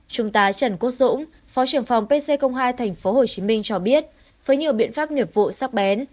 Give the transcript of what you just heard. trung tá trần quốc dũng phó trưởng phòng pc hai tp hcm cho biết với nhiều biện pháp nghiệp vụ sắc bén